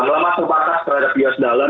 melamas kepatah terhadap us dollar